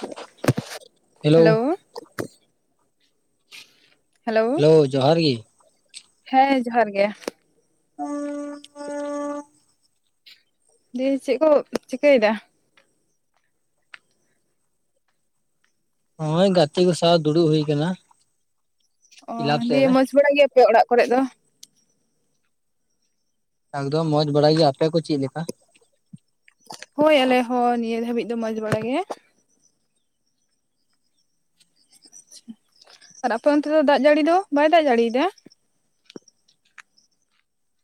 [inaudible] Hello hello. ᱚ ᱡᱚᱦᱟᱨ ᱜᱮ᱾ ᱦᱮᱸ ᱡᱚᱦᱟᱨ ᱜᱮ᱾ ᱦ [inaudible] ᱫᱤᱭᱮ ᱪᱮᱫ ᱠᱚ ᱪᱤᱠᱟᱹᱭᱮᱫᱟ᱾ ᱱᱚᱜ-ᱚᱭ ᱜᱟᱛᱮ ᱠᱚ ᱥᱟᱶ ᱫᱩᱲᱩᱵᱽ ᱦᱩᱭ ᱟᱠᱟᱱᱟ᱾ ᱚᱻ ᱠᱞᱟᱵ ᱥᱮᱫ ᱫᱤᱭᱮ ᱨᱮ ᱢᱚᱸᱡᱽ ᱵᱟᱲᱟ ᱜᱮᱭᱟ ᱯᱮ ᱚᱲᱟᱜ ᱠᱚᱨᱮᱫ ᱫᱚ? ᱮᱠᱫᱚᱢ ᱢᱚᱸᱡᱽ ᱵᱟᱲᱟ ᱜᱮᱭᱟ ᱟᱯᱮ ᱠᱚ ᱪᱮᱫ ᱞᱮᱠᱟ᱾ ᱦᱚᱭ ᱟᱞᱮ ᱦᱚᱸ ᱱᱤᱭᱟᱹ ᱫᱷᱟᱹᱵᱤᱡ ᱫᱚ ᱢᱚᱸᱡᱽ ᱵᱟᱲᱟ ᱜᱮ᱾ ᱟᱨ ᱟᱯᱮ ᱚᱱᱛᱮ ᱫᱚ ᱫᱟᱜ ᱡᱟᱹᱲᱤ ᱫᱚ ᱵᱟᱭ ᱫᱟᱜ ᱡᱟᱹᱲᱤᱭᱮᱫᱟ᱾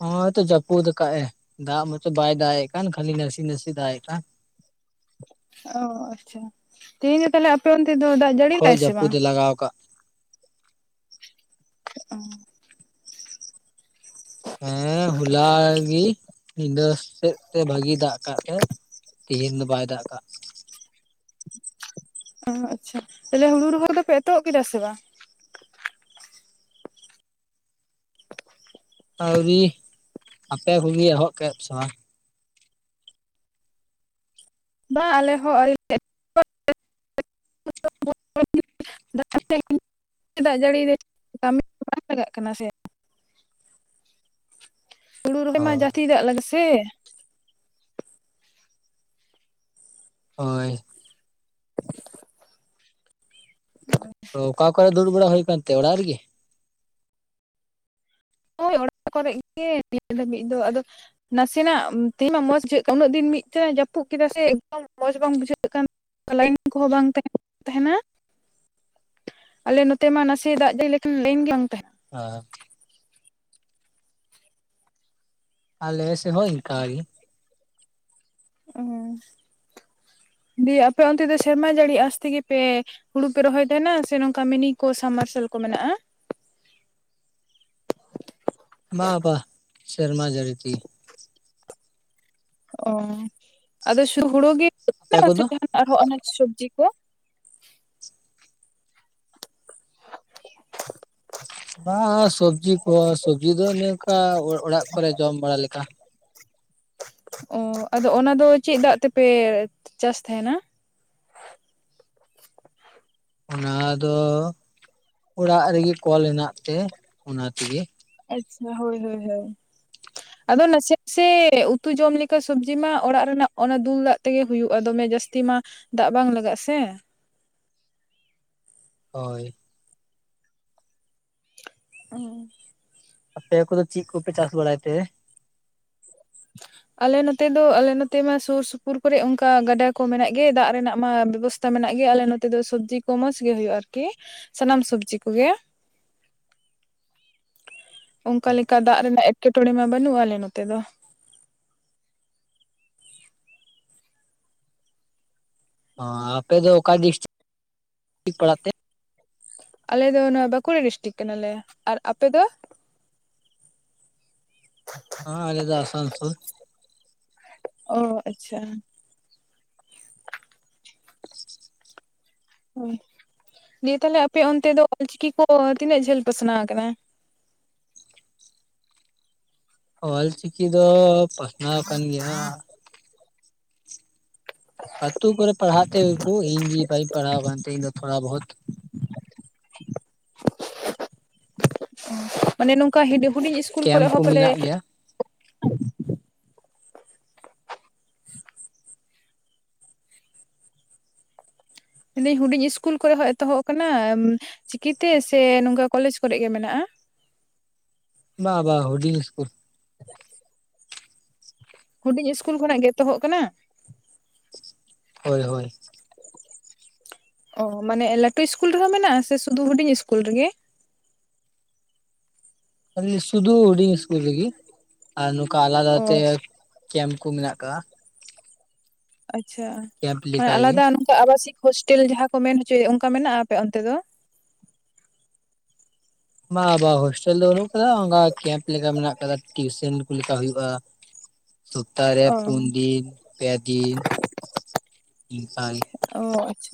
ᱦᱚᱸᱜ-ᱛᱚ ᱡᱟᱹᱯᱩᱫ ᱟᱠᱟᱜ-ᱮ ᱫᱟᱜ ᱢᱟᱛᱚ ᱵᱟᱭ ᱫᱟᱜ ᱮᱜ ᱠᱟᱱ ᱠᱷᱟᱹᱞᱤ ᱱᱟᱥᱮ ᱱᱟᱥᱮ ᱫᱟᱜᱮᱫ ᱠᱟᱱ᱾ ᱚ ᱟᱪᱪᱷᱟ ᱛᱮᱦᱮᱸᱧ ᱫᱚᱸ ᱛᱟᱦᱚᱸᱞᱮ ᱟᱯᱮ ᱚᱱᱛᱮ ᱫᱚ ᱫᱟᱜ ᱡᱟᱹᱲᱤ ᱦᱚᱭ ᱞᱮᱫᱟᱭ ᱥᱮ ᱡᱟᱹᱯᱩᱫ ᱵᱟᱝ ᱮ ᱞᱟᱜᱟᱣ ᱠᱟᱜ ᱦ [inaudible] ᱦᱮᱸ ᱦᱚᱞᱟ ᱜᱤ ᱧᱤᱫᱟᱹ ᱥᱮᱫ ᱛᱮ ᱵᱷᱟᱜᱤ ᱫᱟᱜ ᱟᱠᱟᱫ ᱛᱮ᱾ ᱛᱦᱤᱧ ᱫᱚ ᱵᱟᱭ ᱫᱟᱜ ᱟᱠᱟᱜ-ᱟ᱾ ᱚ ᱟᱪᱪᱷᱟ ᱛᱟᱦᱚᱞᱮ ᱦᱩᱲᱩ ᱨᱚᱦᱚᱭ ᱫᱚᱯᱮ ᱮᱛᱚᱦᱚᱵ ᱠᱮᱫᱟ ᱥᱮ ᱵᱟᱝ ᱾ ᱟᱹᱣᱨᱤ ᱟᱯᱮ ᱠᱚᱜᱮ ᱮᱦᱚᱵ ᱠᱮᱜ-ᱟ ᱥᱮ ᱵᱟᱝ ᱾ ᱵᱟᱝ ᱟᱞᱮ ᱦᱚᱸ ᱟᱣᱨᱤ [inaudible] [inaudible] [inaudible] ᱠᱟᱹᱢᱤ ᱠᱚ ᱵᱟᱝ ᱞᱟᱜᱟᱜ ᱠᱟᱱᱟ ᱥᱮ ᱾ [inaudible] ᱦᱩᱲᱩ ᱨᱚᱦᱚᱭ ᱢᱟ ᱦᱳᱭ ᱡᱟᱹᱥᱛᱤ ᱫᱟᱜ ᱞᱟᱜᱟᱜ-ᱟ ᱥᱮ ᱾ ᱦᱚᱭ [inaudible] ᱚ ᱚᱠᱟ ᱠᱚᱨᱮ ᱫᱩᱲᱩᱵ ᱵᱟᱲᱟ ᱦᱩᱭ ᱠᱟᱱᱛᱮ ᱚᱲᱟᱜ ᱨᱮᱜᱮ ᱾ ᱦᱳᱭ ᱚᱲᱟᱜ ᱠᱚᱨᱮ ᱜᱮ ᱱᱤᱭᱟᱹ ᱫᱷᱟᱹᱵᱤᱡ ᱫᱚ ᱟᱫᱚ ᱱᱟᱥᱮᱱᱟᱜ ᱛᱮᱦᱮᱧ ᱢᱟ ᱢᱚᱸᱡᱽ ᱵᱩᱡᱷᱟᱹᱜ ᱠᱟᱱ ᱩᱱᱟᱹᱜ ᱫᱤᱱ ᱢᱤᱫ ᱛᱮ ᱡᱟᱹᱯᱩᱫ ᱠᱮᱫᱟ ᱥᱮ ᱮᱠᱫᱚᱢ ᱢᱚᱸᱡᱽ ᱵᱟᱝ ᱵᱩᱡᱷᱟᱹᱜ ᱠᱟᱱᱟ ᱾ ᱞᱟᱭᱤᱱ ᱠᱚᱦᱚᱸ ᱵᱟᱝ ᱛᱟᱦᱮᱱ ᱛᱟᱦᱮᱱᱟ ᱾ ᱟᱞᱮ ᱱᱚᱛᱮ ᱢᱟ ᱱᱟᱥᱮᱭᱟᱜ ᱫᱟᱜ ᱡᱟᱹᱲᱤ ᱞᱮᱠᱷᱟᱱ ᱞᱟᱹᱭᱤᱱ ᱜᱮ ᱵᱟᱝ ᱛᱟᱦᱮᱸᱱ ᱾ ᱟᱪᱪᱷᱟ ᱟᱞᱮ ᱥᱮᱫ ᱦᱚᱸ ᱮᱱᱠᱟ ᱜᱮ ᱾ ᱚ ᱫᱤᱭᱮ ᱟᱯᱮ ᱚᱱᱛᱮ ᱫᱚ ᱥᱮᱨᱢᱟ ᱡᱟᱹᱲᱤ ᱟᱥᱛᱮ ᱜᱮᱯᱮ ᱦᱩᱲᱩ ᱯᱮ ᱨᱚᱦᱚᱭ ᱛᱟᱦᱮᱱᱟ ᱥᱮ ᱱᱚᱝᱠᱟ ᱢᱤᱱᱤ ᱠᱚ ᱥᱟᱢᱟᱨᱥᱮᱟᱞ ᱠᱚ ᱢᱮᱱᱟᱜ-ᱟ ᱾ ᱵᱟ ᱵᱟᱦ ᱥᱮᱨᱢᱟ ᱡᱟᱹᱲᱤ ᱛᱮᱜᱮ ᱾ ᱚ ᱟᱫᱚ ᱦᱩᱲᱩ ᱜᱮ ᱟᱯᱮ ᱠᱚᱫᱚ [inaudible] ᱟᱱᱟᱡ ᱥᱚᱵᱡᱤ ᱠᱚ [inaudible] ᱵᱟ ᱥᱚᱵᱽᱡᱤ ᱠᱚ ᱥᱚᱵᱽᱡᱤ ᱫᱚ ᱚᱱᱮ ᱚᱱᱠᱟ ᱚᱲᱟᱜ ᱠᱚᱨᱮ ᱡᱚᱢ ᱵᱟᱲᱟ ᱞᱮᱠᱟ ᱾ ᱚ ᱟᱫᱚ ᱚᱱᱟ ᱫᱚ ᱪᱮᱜ ᱫᱟᱜ ᱛᱮᱯᱮ ᱪᱟᱥ ᱛᱟᱦᱮᱱᱟ ᱾ ᱚᱱᱟ ᱫᱚ ᱚᱲᱟᱜ ᱨᱮᱜᱮ ᱠᱚᱞ ᱦᱮᱱᱟᱜ ᱛᱮ ᱚᱱᱟᱛᱴ ᱛᱮᱜᱮ ᱾ ᱟᱪᱪᱷᱟ ᱦᱳᱭ ᱦᱳᱭ ᱦᱳᱭ ᱾ [inaudible] ᱟᱫᱚ ᱱᱟᱥᱮᱼᱱᱟᱥᱮ ᱩᱛᱩ ᱡᱚᱢ ᱞᱮᱠᱟ ᱥᱚᱵᱽᱡᱤ ᱢᱟ ᱚᱲᱟᱜ ᱨᱮᱱᱟᱜ ᱚᱱᱟ ᱫᱩᱞ ᱫᱟᱜ ᱛᱮᱜᱮ ᱦᱩᱭᱩᱜᱼᱟ ᱫᱚᱢᱮ ᱡᱟᱹᱥᱛᱤ ᱢᱟ ᱫᱟᱜ ᱵᱟᱝ ᱞᱟᱜᱟᱜᱼᱟ ᱥᱮ᱾ ᱦᱳᱭ [inaudible] ᱟᱯᱮ ᱠᱚᱫᱚ ᱪᱤᱜ ᱠᱚᱯᱮ ᱪᱟᱥ ᱵᱟᱲᱟᱭ ᱛᱮ ᱾ [inaudible] ᱟᱞᱮ ᱱᱚᱛᱮ ᱫᱚ ᱟᱞᱮ ᱱᱚᱛᱮ ᱢᱟ ᱥᱩᱨ ᱥᱩᱯᱩᱨ ᱠᱚᱨᱮ ᱚᱝᱠᱟ ᱜᱟᱰᱟ ᱠᱚ ᱢᱮᱱᱟᱜ ᱜᱮ ᱫᱟᱜ ᱨᱮᱱᱟᱜ ᱢᱟ ᱵᱮᱵᱚᱥ ᱛᱟ ᱢᱮᱱᱟᱜ ᱜᱮᱭᱟ ᱟᱞᱮ ᱱᱚᱛᱮ ᱫᱚ ᱥᱚᱵᱽᱡᱤ ᱠᱚ ᱢᱚᱸᱡᱽ ᱜᱮ ᱦᱩᱭᱩᱜᱼᱟ ᱟᱨᱠᱤ ᱥᱟᱱᱟᱢ ᱥᱚᱵᱽᱡᱤ ᱠᱚᱜᱮ ᱾ ᱚᱝᱠᱟ ᱞᱮᱠᱟ ᱫᱟᱜ ᱨᱮᱱᱟᱜ ᱮᱴᱠᱮᱴᱚᱬᱮ ᱢᱟ ᱵᱟᱹᱱᱩᱜᱼᱟ ᱟᱞᱮ ᱱᱚᱛᱮ ᱫᱚ ᱾ ᱚ ᱟᱯᱮ ᱫᱚ ᱚᱠᱟ ᱰᱤᱥᱴᱤᱠᱴ ᱯᱟᱲᱟᱜ ᱛᱮ ᱟᱞᱮ ᱫᱚ ᱱᱚᱣᱟ ᱵᱟᱸᱠᱩᱲᱟ ᱰᱤᱥᱴᱤᱠ ᱠᱟᱱᱟᱞᱮ ᱟᱨ ᱟᱯᱮ ᱫᱚ ᱦᱚᱸ ᱟᱞᱮ ᱫᱚ ᱟᱥᱟᱱ ᱥᱳᱞ ᱾ ᱚ ᱟᱪᱪᱷᱟ ᱾ ᱫᱤᱭᱮ ᱛᱟᱦᱞᱮ ᱟᱯᱮ ᱚᱱᱛᱮ ᱫᱚ ᱚᱞᱪᱤᱠᱤ ᱠᱚ ᱛᱤᱱᱟᱹᱜ ᱡᱷᱟᱹᱞ ᱯᱟᱥᱱᱟᱣ ᱠᱟᱱᱟ ᱾ ᱚᱞ ᱪᱤᱠᱤ ᱫᱚ ᱯᱟᱥᱱᱟᱣ ᱠᱟᱱ ᱜᱮᱭᱟ ᱾ ᱟᱹᱛᱩ ᱠᱚᱨᱮ ᱯᱟᱲᱦᱟᱜ ᱛᱟᱦᱮᱸᱜ ᱜᱮᱠᱚ ᱤᱧ ᱜᱤ ᱵᱟᱹᱧ ᱯᱟᱲᱦᱟᱣ ᱠᱟᱱᱛᱮ ᱤᱧ ᱛᱷᱚᱲᱟ ᱵᱚᱦᱳᱛ [inaudible] ᱢᱟᱱᱮ ᱱᱚᱝᱠᱟ ᱦᱤᱰᱤ ᱦᱩᱰᱤᱧ ᱤᱥ ᱠᱮᱢᱯ ᱠᱚ ᱢᱮᱱᱟᱜ ᱜᱮᱭᱟ᱾ ᱢᱮᱱᱫᱟᱹᱧ ᱦᱩᱰᱤᱧ ᱤᱥᱠᱩᱞ ᱠᱚᱨᱮ ᱦᱚᱸ ᱮᱛᱚᱦᱚᱵ ᱟᱠᱟᱱᱟ ᱪᱤᱠᱤᱛᱮ ᱥᱮ ᱱᱚᱝᱠᱟ ᱠᱚᱞᱮᱡᱽ ᱠᱚᱨᱮ ᱜᱮ ᱢᱮᱱᱟᱜᱼᱟ? ᱵᱟᱝ ᱵᱟ ᱦᱩᱰᱤᱝ ᱤᱥᱠᱩᱞ᱾ [inaudible] ᱦᱩᱰᱤᱧ ᱤᱥᱠᱩᱞ ᱠᱷᱚᱱᱟᱜ ᱜᱮ ᱮᱛᱚᱦᱚᱜ ᱠᱟᱱᱟ᱾ ᱦᱳᱭ ᱦᱳᱭ᱾ ᱚ ᱢᱟᱱᱮ ᱞᱟᱹᱴᱩ ᱤᱥᱠᱩᱞ ᱨᱮᱦᱚᱸ ᱢᱮᱱᱟᱜᱼᱟ᱾ ᱥᱮ ᱥᱩᱫᱩ ᱦᱩᱰᱤᱧ ᱤᱥᱠᱩᱞ ᱨᱮᱜᱮ? ᱚ ᱞᱟᱹᱫᱟᱹᱧ ᱥᱩᱫᱩ ᱦᱩᱰᱤᱧ ᱤᱥᱠᱩᱞ ᱨᱤᱜᱤ ᱟᱨ ᱱᱚᱝᱠᱟ ᱚ ᱟᱞᱟᱫᱟᱛᱮ ᱠᱮᱢᱯ ᱠᱩ ᱢᱮᱱᱟᱜ ᱠᱟᱜᱼᱟ᱾ ᱟᱪᱪᱷᱟ ᱠᱮᱢᱯ ᱢᱟᱱᱮ ᱞᱮᱠᱟᱜᱮ ᱟᱞᱟᱫᱟ ᱱᱚᱝᱠᱟ ᱟᱵᱟᱥᱤᱠ ᱦᱳᱥᱴᱮᱞ ᱡᱟᱦᱟᱸ ᱠᱚ ᱢᱮᱱ ᱦᱚᱪᱚᱭᱮᱫ ᱚᱱᱠᱟ ᱢᱮᱱᱟᱜᱼᱟ ᱟᱯᱮ ᱚᱱᱛᱮ ᱫᱚ? ᱵᱟᱝᱼᱵᱟ ᱦᱳᱥᱴᱮᱞ ᱫᱚ ᱵᱟᱹᱱᱩᱜ ᱠᱟᱫᱟ ᱚᱱᱠᱟ ᱠᱮᱢᱯ ᱞᱮᱠᱟ ᱢᱮᱱᱟᱜ ᱠᱟᱫᱟ ᱴᱤᱭᱩᱥᱚᱱ ᱠᱚ ᱞᱮᱠᱟ ᱦᱩᱭᱩᱜ-ᱟ᱾ ᱥᱚᱯᱛᱟᱨᱮ ᱚ ᱯᱩᱱ ᱫᱤᱱ, ᱯᱮ ᱫᱤᱱ ᱤᱱᱠᱟ ᱜᱮ᱾ ᱚ ᱟᱪᱷᱟ᱾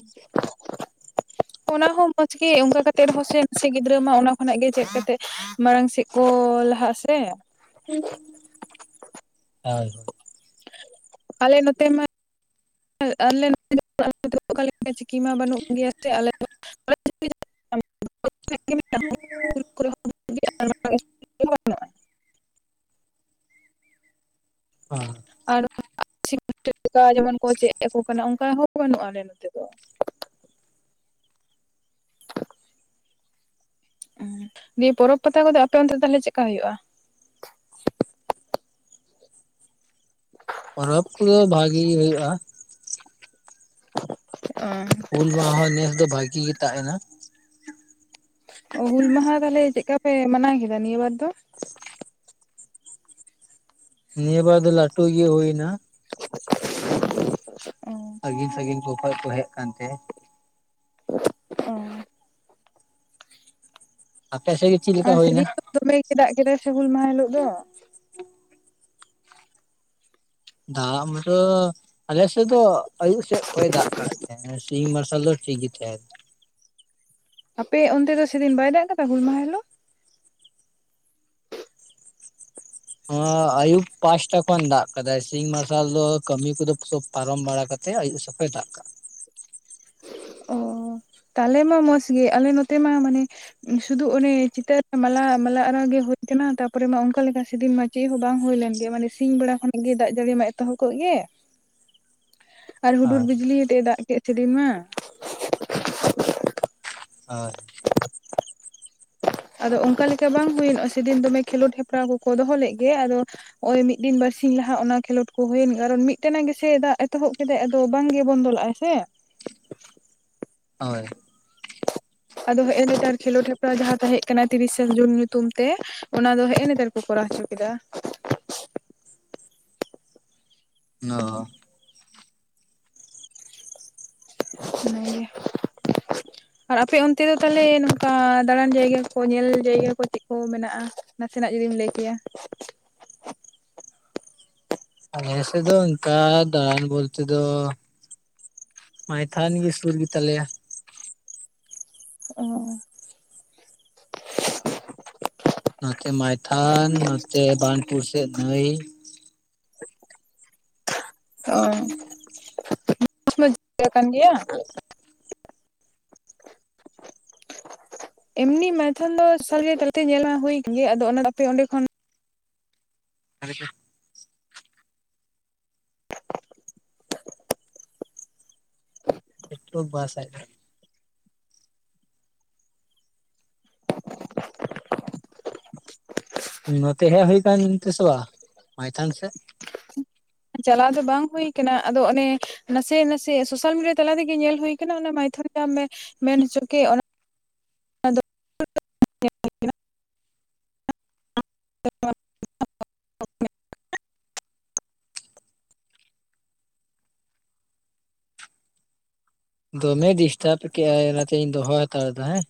ᱚᱱᱟ ᱦᱚᱸ ᱢᱚᱸᱡᱽ ᱜᱮ ᱚᱱᱠᱟ ᱠᱟᱛᱮᱜ ᱨᱮᱦᱚᱸ ᱥᱮ ᱱᱟᱥᱮ ᱜᱤᱫᱽᱨᱟᱹ ᱢᱟ ᱚᱱᱟ ᱠᱷᱚᱱᱟᱜ ᱜᱮ ᱪᱮᱫ ᱠᱟᱛᱮᱜᱼᱼ ᱢᱟᱲᱟᱝ ᱥᱮᱫ ᱠᱚ ᱞᱟᱦᱟᱜᱼᱟ ᱥᱮ᱾ ᱦᱳᱭ ᱦᱳᱭ᱾ ᱟᱞᱮ ᱱᱚᱛᱮ ᱢᱟ [unintelligible] ᱪᱤᱠᱤ ᱢᱟ ᱵᱟᱹᱱᱩᱜ ᱜᱮᱭᱟ ᱥᱮ ᱟᱞᱮ᱾ [unintelligible] [inaudible] [unintelligible] [inaudible] ᱦᱚ᱾ [unintelligible] ᱞᱮᱠᱟ ᱡᱮᱢᱚᱱ ᱠᱚ ᱪᱮᱫ ᱟᱠᱚ ᱠᱟᱱᱟ ᱚᱝᱠᱟ ᱦᱚᱸ ᱵᱟᱹᱱᱩᱜᱼᱟ ᱟᱞᱮ ᱱᱚᱛᱮ ᱫᱚ᱾ ᱚᱸ᱾ ᱫᱤᱭᱮ ᱯᱚᱨᱚᱵᱽ ᱯᱟᱛᱟ ᱠᱚᱫᱚ ᱟᱯᱮ ᱚᱱᱛᱮ ᱛᱟᱦᱞᱮ ᱪᱮᱫᱠᱟ ᱦᱩᱭᱩᱜᱼᱟ? ᱯᱚᱨᱚᱵᱽ ᱠᱚᱫᱚ ᱵᱷᱟᱜᱤ ᱜᱮ ᱦᱩᱭᱩᱜ-ᱟ᱾ ᱚ᱾ ᱩᱞ, ᱵᱟᱦᱟ ᱦᱚᱸ ᱱᱮᱥ ᱫᱚ ᱵᱷᱟᱜᱤ ᱜᱮ ᱛᱟ ᱮᱱᱟ᱾ ᱚ ᱦᱩᱞ ᱢᱟᱦᱟ ᱛᱟᱦᱚᱞᱮ ᱪᱮᱫᱠᱟ ᱯᱮ ᱢᱟᱱᱟᱣ ᱠᱮᱫᱟ ᱱᱤᱭᱟᱹ ᱵᱟᱨ ᱫᱚ? ᱱᱤᱭᱟᱹ ᱵᱟᱨ ᱫᱚ ᱞᱟᱹᱴᱩ ᱜᱮ ᱦᱩᱭᱱᱟ᱾ [inaudible] ᱥᱟᱺᱜᱤᱧ ᱥᱟᱺᱜᱤᱧ ᱠᱚ ᱠᱷᱚᱡ ᱠᱚ ᱦᱮᱡ ᱟᱠᱟᱱ ᱛᱟᱦᱮᱸᱫ। ᱚ᱾ ᱟᱯᱮ ᱥᱮᱫ ᱜᱮ ᱪᱮᱫ ᱞᱮᱠᱟ ᱟᱨ ᱥᱟᱹᱨᱤ ᱦᱩᱭᱱᱟ ᱜᱮ ᱫᱚᱢᱮ ᱜᱮ ᱫᱟᱜ ᱠᱮᱫᱟᱭ ᱥᱮ ᱦᱩᱞ ᱢᱟᱦᱟ ᱦᱤᱞᱚᱜ ᱫᱚ। ᱫᱟᱜ ᱢᱟᱛᱚ ᱟᱞᱮᱥᱮᱫ ᱫᱚ ᱟᱭᱩᱵ ᱥᱮᱫ ᱠᱷᱚᱡ ᱫᱟᱜ ᱠᱟᱜ ᱛᱟᱦᱮᱸᱜ᱾ ᱥᱤᱧ ᱢᱟᱨᱥᱟᱞ ᱫᱚ ᱴᱷᱤᱠ ᱜᱮ ᱛᱟᱦᱮᱸ ᱟᱯᱮ ᱚᱱᱛᱮ ᱫᱚ ᱥᱮᱫᱤᱱ ᱵᱟᱭ ᱫᱟᱜ ᱠᱟᱫᱟ ᱦᱩᱞ ᱢᱟᱦᱟ ᱦᱤᱞᱚᱜ? ᱦᱚᱸ ᱟᱭᱩᱵ ᱯᱟᱸᱥᱴᱟ ᱠᱷᱚᱱ ᱫᱟᱜ ᱠᱟᱫᱟᱭ। ᱥᱤᱧ ᱢᱟᱨᱥᱟᱞ ᱫᱚ ᱠᱟᱹᱢᱤ ᱠᱚᱫᱚ ᱥᱚᱠ ᱯᱟᱨᱚᱢ ᱵᱟᱲᱟ ᱠᱟᱛᱮ ᱟᱭᱩᱵ ᱥᱮᱯᱷᱚᱭ ᱫᱟᱜ ᱠᱟᱜᱼᱟ। ᱛᱟᱦᱟᱞᱮ ᱢᱟ ᱢᱚᱸᱡᱽ ᱜᱮ। ᱟᱞᱮ ᱱᱚᱛᱮ ᱢᱟ ᱢᱟᱱᱮ ᱥᱩᱫᱷᱩ ᱚᱱᱮ ᱪᱤᱛᱟᱹᱨ ᱨᱮ ᱢᱟᱞᱟ ᱢᱟᱞᱟ ᱟᱨᱟᱣ ᱜᱮ ᱦᱳᱭ ᱠᱟᱱᱟ, ᱛᱟᱯᱚᱨᱮ ᱢᱟ ᱚᱱᱠᱟ ᱞᱮᱠᱟ ᱥᱮᱫᱤᱱ ᱢᱟ ᱪᱮᱫ ᱦᱚᱸ ᱵᱟᱝ ᱦᱩᱭ ᱞᱮᱱ ᱜᱮᱭᱥ। ᱢᱟᱱᱮ ᱥᱤᱧ ᱵᱮᱲᱟ ᱠᱷᱚᱱᱟᱜ ᱜᱮ ᱫᱟᱜ ᱡᱟᱹᱲᱤ ᱢᱟ ᱮᱛᱚᱦᱚᱵ ᱠᱚᱜ ᱜᱮ। [inaudible] ᱟᱨ ᱦᱩᱰᱩᱨ ᱵᱤᱡᱞᱤ ᱟᱛᱮᱜ ᱫᱟᱜ ᱠᱮᱫ ᱥᱮᱫᱤᱱ ᱢᱟ। ᱦᱳᱭ। ᱟᱫᱚ ᱚᱱᱠᱟ ᱞᱮᱠᱟ ᱵᱟᱝ ᱦᱩᱭᱮᱱᱚᱜᱼᱟ᱾ ᱥᱮᱫᱤᱱ ᱫᱚᱢᱮ ᱠᱷᱮᱞᱳᱰ ᱦᱮᱯᱨᱟᱣ ᱠᱚᱠᱚ ᱫᱚᱦᱚ ᱞᱮᱫ ᱜᱮ। ᱟᱫᱚ ᱦᱚᱸᱜᱼᱚᱭ ᱢᱤᱫ ᱫᱤᱱ ᱵᱟᱨᱥᱤᱧ ᱞᱟᱦᱟ ᱚᱱᱟ ᱠᱷᱮᱞᱳᱰ ᱠᱚ ᱦᱩᱭᱮᱱ ᱜᱮ। ᱠᱟᱨᱚᱱ ᱢᱤᱫ ᱴᱟᱱᱟ ᱜᱮ ᱥᱮ ᱪᱮᱫ ᱫᱟᱜ ᱮᱛᱚᱦᱚᱵ ᱠᱮᱫᱟᱭ ᱟᱫᱚ ᱟᱫᱚ ᱵᱟᱝ ᱜᱮ ᱵᱚᱱᱫᱚ ᱞᱟᱜ ᱟᱭ ᱥᱮ᱾ ᱦᱳᱭ, ᱟᱫᱚ ᱦᱮᱜ ᱮ ᱱᱮᱛᱟᱨ ᱠᱷᱮᱞᱳᱰ ᱦᱮᱯᱨᱟᱣ ᱡᱟᱦᱟᱸ ᱛᱟᱦᱮᱸᱜ ᱠᱟᱱᱟ ᱛᱤᱨᱤᱥᱮ ᱡᱩᱱ ᱧᱩᱛᱩᱢ ᱛᱮ᱾ ᱚᱱᱟ ᱫᱚ ᱦᱮᱸᱜ ᱮ ᱱᱮᱛᱟᱨ ᱠᱚ ᱠᱚᱨᱟᱣ ᱦᱚᱪᱚ ᱠᱮᱫᱟ᱾ ᱚ ᱚᱱᱟ ᱜᱮ᱾ [inaudible] ᱟᱨ ᱟᱯᱮ ᱚᱱᱛᱮ ᱫᱚ ᱛᱟᱦᱟᱞᱮ ᱱᱚᱝᱠᱟ ᱫᱟᱲᱟᱱ ᱡᱟᱭᱜᱟ ᱠᱚ, ᱧᱮᱞ ᱡᱟᱭᱜᱟ ᱠᱚ ᱪᱮᱫ ᱠᱚ ᱢᱮᱱᱟᱜ-ᱟ? ᱱᱟᱥᱮ ᱱᱟᱜ ᱡᱩᱫᱤᱢ ᱞᱟᱹᱭ ᱠᱮᱭᱟ᱾ [inaudible] ᱟᱞᱮ ᱥᱮᱫ ᱫᱚ ᱚᱱᱠᱟ ᱫᱟᱲᱟᱱ ᱵᱚᱞ- ᱛᱮ ᱫᱚ ᱢᱟᱭᱛᱷᱟᱱ ᱜᱮ ᱥᱩᱨ ᱜᱮ ᱛᱟᱞᱮᱭᱟ᱾ ᱚ ᱱᱚᱛᱮ ᱢᱟᱭᱛᱷᱟᱱ, ᱱᱚᱛᱮ ᱵᱟᱱᱯᱩᱨ ᱥᱮᱫ ᱱᱟᱹᱭ᱾ ᱚ [inaudible] ᱠᱟᱱ ᱜᱮᱭᱟ᱾ [inaudible] ᱮᱢᱱᱤ ᱢᱟᱭᱛᱷᱟᱱ ᱫᱚ ᱥᱟᱸᱜᱮ ᱛᱟᱞᱟᱛᱮ ᱧᱮᱞ ᱢᱟ ᱦᱩᱭ ᱠᱟᱱ ᱜᱮ᱾ ᱟᱫᱚ ᱚᱱᱟ ᱟᱯᱮ ᱚᱸᱰᱮ ᱠᱷᱚᱱ ᱟᱨ ᱡᱮ [unintelligible] ᱱᱚᱛᱮ ᱦᱮᱡ ᱦᱩᱭ ᱠᱟᱱ ᱛᱮᱥ ᱵᱟᱝ ᱢᱟᱭᱛᱷᱟᱱ ᱥᱮᱫ᱾ ᱪᱟᱞᱟᱣ ᱫᱚ ᱵᱟᱝ ᱦᱩᱭ ᱟᱠᱟᱱᱟ᱾ ᱟᱫᱚ ᱚᱱᱮ ᱱᱟᱥᱮ ᱱᱟᱥᱮ ᱥᱳᱥᱟᱞ ᱢᱤᱰᱤᱭᱟ ᱛᱟᱞᱟ ᱛᱮᱜᱮ ᱧᱮᱞ ᱦᱩᱭ ᱠᱟᱱᱟ᱾ ᱚᱱᱟ ᱢᱟᱭᱛᱷᱚᱱ ᱡᱟᱦᱟᱸ ᱢᱮ ᱼᱼ ᱢᱮᱱ ᱦᱚᱪᱚ ᱠᱮᱜ, ᱚᱱᱟ ᱫᱚᱢᱮ ᱰᱤᱥᱴᱟᱵ ᱠᱮᱜ-ᱟᱭ ᱚᱱᱟᱛᱮᱧ ᱫᱚᱦᱚ ᱦᱟᱛᱟᱲ ᱮᱫᱟ ᱦᱮᱸ᱾